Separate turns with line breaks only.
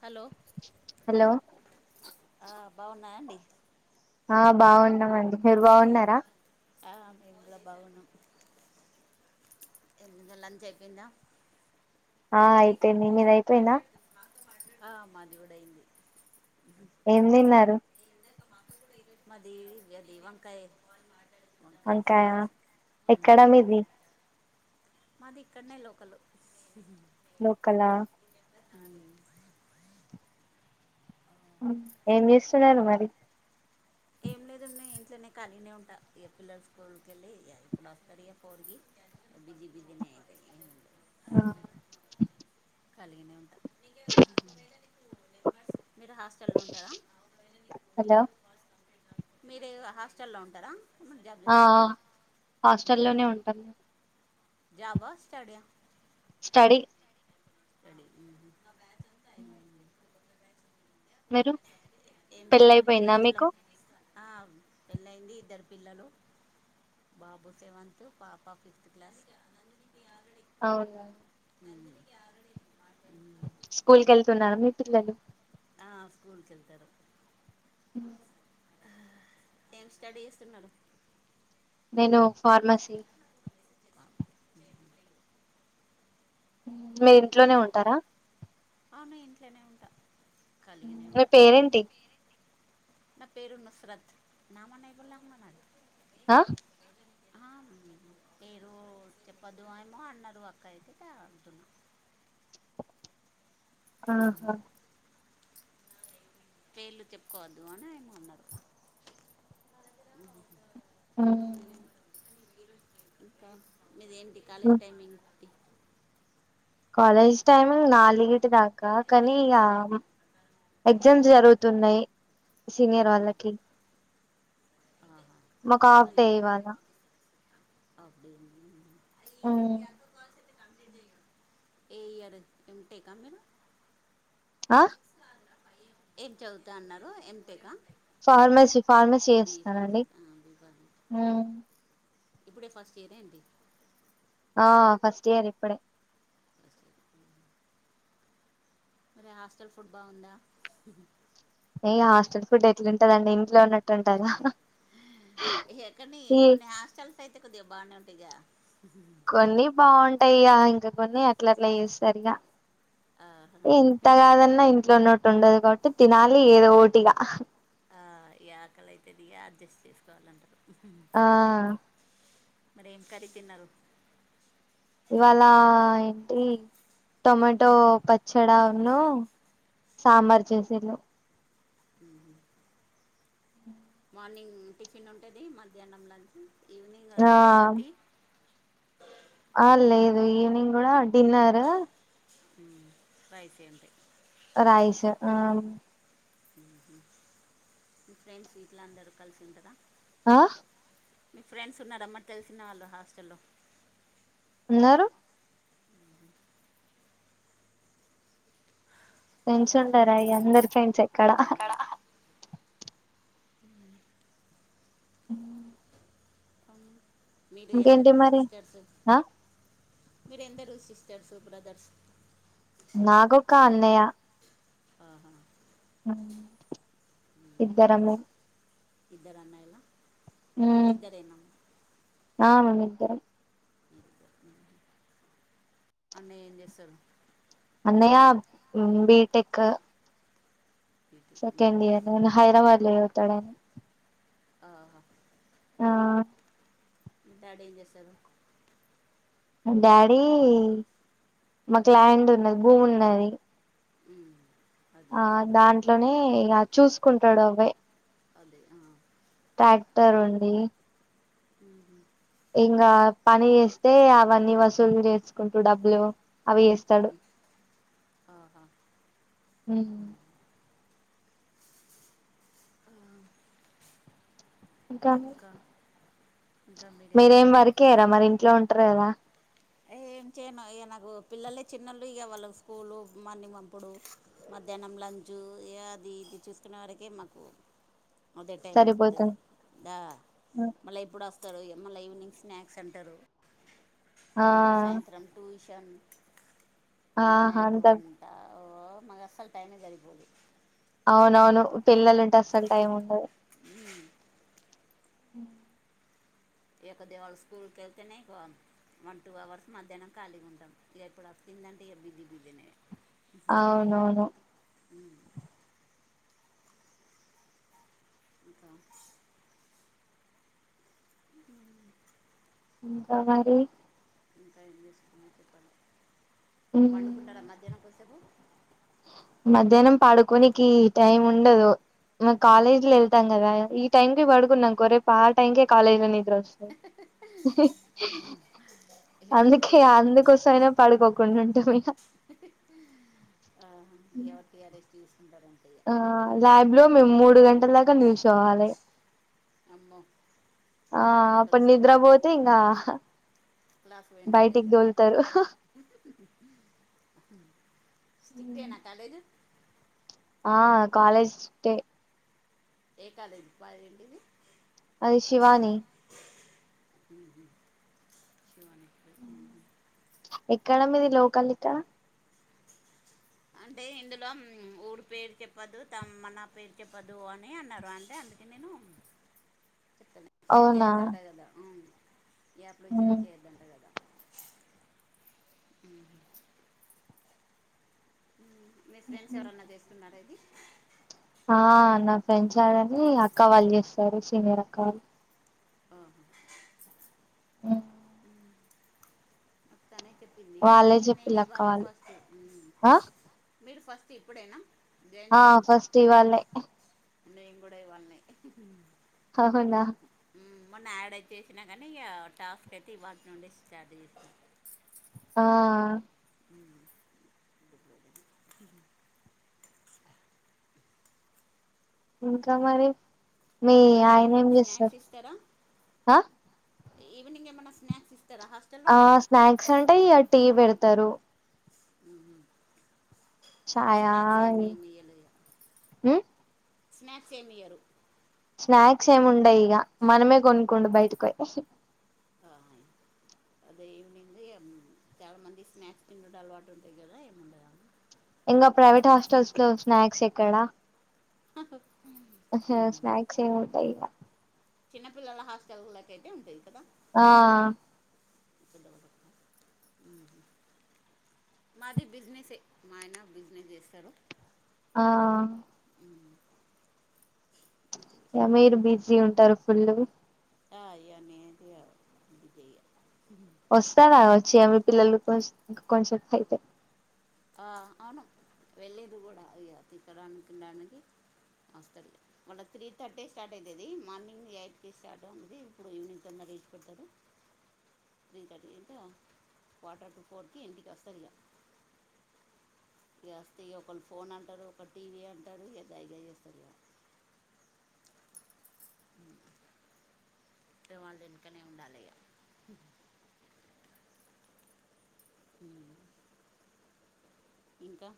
Hello
hello ఆ బాగున్నామండి మీరు బాగున్నారా
ఆ మేం కూడ బాగున్నాం [unintelligible] అయిపోయిందా
ఆ అయిపోయింది మీది అయిపోయిందా
ఆ మది కూడ అయింది
ఏం తిన్నారు
మది అది వంక [unintelligible]
వంకాయ ఎక్కడ మీది
మాది ఇక్కడనే లోకలు
లోకల
[unintelligible]
ఏం చేస్తున్నారు మరి
ఏం లేదు ఇంట్లోనే [unintelligible] ఉంటా ఇక పిల్లల స్కూల్కి వెళ్ళి ఇ ఇప్పుడు వస్తారు ఇక ఫోర్క బిజి బిజినే అయితేయి [unintelligible] ఖాళీగానే ఉంట మీరు హాస్టల్లో ఉంటార
హలో
మీ [unintelligible] హాస్టల్ల్లో ఉంటార
ఆ ఆ హాస్టల్లోనే ఉంటామ్
జాబా ఆ స్టడీ అ
స్టడీ
తడి ఉహు ఊ
మీరు
ఏం తిన్నర్
పెళ్ళయిపోయిందా
మళ్ళంచులో
మీకు
ఆం పెళ్ళయింది ఇద్దర్ పిల్లలు బాబు సెవెంత్ పాప ఫిఫ్త్ క్లాస్
అవునా
ఉమ్ ఉహ్మ్
స్కూల్ కెళ్తున్నార మీ పిల్లలు
ఆ స్కూల్ కెళ్తరు
హ్
అ హ్ హ్ టేన్ స్టడీ ఏస్తున్నరు
నేను ఫార్మసి ఉం మీర్ ఇంట్లోనే
ఇప్పుడే
ఉంటారా
అవును ఇంట్లోనే ఉంట
మ్ మీ పేరేంటి
నా పేరు నుస్రత్ నామా నయ్ బులాగ్ మనది
హ
అ అహ్మ్ మీరు చెప్పద్దు ఏమో అన్నారు అక్క అయితే టా అంటున్నా
ఆహ
పేర్లు చెప్పుకోవద్దు అని ఆయన అన్నారు
అ
ఊమ్ ఇంకా మీదేంటి కాలేజ్ టైమింగ్ టి
కాలేజ్ టైమింగ్ నాలుగిటి దాకా కానీ యాం ఎగ్జామ్స్ జరుగుతున్నయ్ సీనియర్
ఆహా
వాళ్ళకి
ఆహా
మ కాఫ్ డే ఇవాళ
అఫ్ డే నీ ఏ ఇయరు ఏమ్ టేకా మీరు
అ
ఏది చదువుతా అన్నరు ఎమ్ టేకా
ఫార్మసీ ఫార్మసీ
బీ ఫర్మ్
చేస్తానండి
అ బీ ఫర్మ్ ఇప్పుడే ఫస్ట్ ఇయరేంది
ఆ ఫస్ట్ ఇయర్ ఇప్పుడే
ఫస్ట్ ఇయర్ మరే హాస్టల్ ఫుడ్ బావుందా ఉహ్
ఏ యాస్టల్ ఫుడ్ ఎట్లుంటదండి ఇంట్లో ఉన్నట్
ఎహిహి ఇహ్ ఎక్కని
ఈ
కొన్ని హాస్టల్స్ తైతే కొద్దిగ బానే ఉంటిగా
కొన్ని బావుంటాయిగా ఇంక కొన్ని అట్లట్లా చేస్తారిగా
ఆహా.
ఎంతగాదన్నా ఇంట్లో ఉన్నట్టు ఉండదు కావట్టి తినాలి ఏదో ఓటిగా
ఆ ఈ ఆకలైతదిగా అడ్జస్ట్ చేసుకోవాలంటరు
ఆ
మరేం కర్రీ తిన్నరు
ఇవాళ ఏంటి టొమాటో పచ్చడాన్ను సాంబార్ చేసిళ్ళు
ఉహు
ఉ
మార్నింగ్ టిఫిన్ ఉంటది మధ్యాహ్నం లంచ్ ఈవినింగ్
ఆ
చపాతి
ఆ లేదు ఈవనింగ్ కూడా డిన్నర్
ఉం స్పయిసియుంటై
రయిషా ఆ
ఉహ్మ్ మీ ఫ్రెండ్స్ గిట్లా అందరూ కలిసి ఉంటుందా
ఆ
మీ ఫ్రెండ్స్ ఉన్నార మరి తెలిసిన వాళ్ళు హాస్టల్లో
ఉన్నారు ఫ్రెండ్స్ ఉండరా ఇగ అందరు ఫ్రెండ్స్ఎ
[inaudible] కా
ఉం
మీరు
ఇంకేంటి
ఎందరు
మరి
సిస్టర్స్
ఆ
మీరెందరు సిస్టర్సు బ్రదర్స్
నాకొక్క అన్నయ్య
ఆహా
ఇద్దరము
ఇద్దరన్నయ్యలా
ఉ ఆ మేమీద్దరం
మీరిద్దరు. అన్నయ్య ఏం చేస్తరు
అన్నయ ఉం బిటెక్
ఇటు. ఉమ్.
సెకండ్ ఇయర్ నేను హైదరాబాద్ లో చదువుతడన్
ఆహా
ఆ
మీ డాడి ఎం చేస్తరు
డాడీ మాక్ ల్యాండ్ ఉన్నది భూమున్నది
ఉ
ఆ దాంట్లోనే ఇగ చూసుకుంటడు అవ్వే
అదే
ట్రాక్టర్ ఉంది
ఉహ్
ఇంగ పని చేస్తే అవన్నీ వసూలు చేసుకుంటూ డబ్బులు అవి ఎస్
ఆహా
ఉ
ఇంకా ఇంకా మీరే
మీరేం
చెప్పండి
వర్క్ చేర మరి ఇంట్లో ఉంటారు కదా
ఎ ఏం చేయను ఇ నాకు పిల్లలే చిన్నళ్లు ఇగ వాళ్ళ స్కూలు మన్ని మంపుడు మధ్యాహ్నం లంచ్ ఏ అది ఇది చేసుకునే వరకే మాకు అదే టైం అయిపోతది
సరిపోతుంది
దా మళ్ళ ఇప్పుడస్ త్తరు ఇగ మల్ళ ఈవినింగ్ స్నాక్స్ అంటారు
ఆ
మళ్ళీ సాయంత్రం ట్యూషన్ మళ్ళా
ఆహా
నైట్
అంత
వన్ ట ఓ నాక్ అస్సల్ టైమేసరిపోదు
అవునవును పిల్లలుంటే అస్సల్ టైం ఉండదు
ఉ
ఉ
ఇగ కొద్దిగా వాళ్లు స్కూల్ కు వెలీతేనే గా వన్ టూ అవర్స్ మధ్యాహ్నం ఖాళీగా ఉంటాం ఇక ఎప్పుడు వచ్చిదంటే ఇ బిజీ బిజీనె
అవునవును
అ అకా ఇల్
ఇంకా మరి
ఇకా ఏం చేస్తున్నారు చెప్పాలి
ఉ
పండుకుంటారా మధ్యాహ్నం కోద్దీసేపు
మధ్యాహ్నం పడుకొనికి టైం ఉండదు మేము కాలేజ్ కి వెళ్తాం కదా ఈ టైకి పడుకున్నాంకో రేపు ఆ టైంకే కాలేజ్లో నిద్రోచ్చు
ఇక
అందుకే
ఇక పడక
అందుకోసమైనా పడుకోకుండా ఉంటాం ఇక
ఆ ఎవరికి అరే రెస్ట్ తీసుకుంటారడి
ఆ ల్యాబ్లో మేము మూడు గంటల దాకా నిల్చోవాలి
అమ్మో
ఆ అప్పుడు
ప్రాక్టికల్స్ ఇక
నిద్రా పోతే ఇకా బయటికి దోల్తారు
స్టిక్టే నా కాలేజ్
ఆ కాలేజ్ స్టిక్టే
ఏ కాలేజ్ పద ఏంటిది
అది శివాని
శివాని
ఎక్కడ మీది లోకల్ ఇక్కడ
అంటే ఇందులో ఊరి పేరు చెప్పొద్దు తమ నా పేరు చెప్పద్దు అని అన్నారు అంటే అందుకే నేను చెప్తాలే ర్క్
అవునా
చేయద్ద్దంట కదా ఏప్డు ర్
ఉమ్.
చేయొద్ద్దంట కదా అ మీ ఫ్రెండ్స్ ఎవరన్నా చేస్తున్నారా ఇది
ఆ నా ఫ్రెండ్ సైడని అక్క వాళ్ళు చేస్తారు సీనియర్ అక్కళ్ళు
ఆహా
ఆ
మొత్తానే చెప్పింది
వాళ్ళే
చెప్తే నేను
చెప్పిళ అక్క
ఇవాళనే
వాళ్ళు
ఫస్ట్ టైం
ఆ
మీరు ఫస్ట్ ఇప్పుడేనా జాయిన్
ఆ
అయింది
ఫస్ట్ ఇవాళే
నేను కూడా ఇవ్వాల్నే
అవునా
మొన్న యాడ్ అయి చేసినా కానీ ఇంకా టాస్క్ అయితే ఇవాల్టి నుండే స్టార్ట్ అయింది
ఆ
టిక్
ఇంకా మరి మీ
ఏమన్నా
ఆయన ఏం
ఈవినింగ్ స్నాక్స్
చేస్తారు
ఇస్తారా
ఆ
ఈవెనింగ్ ఏమన్నా స్నాక్స్ ఇస్తార హా
ఆ స్నాక్స్ అంటే ఇగ టీ పెడతారు
ఆ
చాయా
ఇస్మాక్స్ ఏమి ఏమియాలే
ఉమ్,
స్నాక్స్ ఏమి ఇయ్యరు.
స్నాక్స్ ఏమి ఉండయ్ ఇగా మనమే కొనుక్కుండు బయటకి ఓయ్
ఆహి అదే ఈవినింగ్ది చాలా మంది స్నాక్స్ తిండుడు అలవాటు ఉంటాది గదా ఏముండదా
ఇంగా ప్రైవేట్ హాస్టల్స్ లో స్నాక్స్ ఎక్కడా
హాఓ
అసు స్నాక్స్ ఏం ఉంటాయ్గా
చిన్నపిల్లల హాస్టల్లాకైతే ఉంటాయ్ కదా
ఆ
పిల్లల్ ఉహ్ మాది బిజినేస్ఏ మా ఆయన బిజినెస్ జేసారు.
ఆ
ఉహుహ్
ఇగా మీరు బిజీ ఉంటారు ఫులు
యా ఇగా నేదిగా ఇది జేయా
వస్తాడా వచ్చి అవి పిల్లలు కొచ్ ఇంకా కొంచెసైతే
ఆ అవును వెళ్ళేది గూడా ఇగా తిట్టారానికి నానిది వస్తడు. మన త్రీ థర్టీ స్టార్ట్ అయితది. మార్నింగ్ ఎయిట్కి స్టార్ట్ అంది ఇప్పుడు ఈవినింగ్ తొదరగా ఇచ్చిపెడ్తారు. Three thirty quarter to four కి ఇంటికి వసరు ఇగా. ఈ యస్తే ఇగా ఒకళ్ళ ఫోన్ అంటారు. ఒకడ్ టీవీ అంటాడు ఇగా దైగా జేసరు ఇగా ఇగా వాళ్ళ వెనుకనే ఉండాలి ఇగా ఉహ్ ఉహ్ ఇంకా